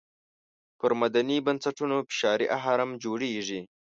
پر مدني بنسټونو فشاري اهرم جوړېږي.